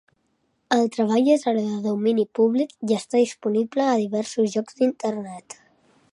El treball és ara de domini públic i està disponible a diversos llocs d'Internet.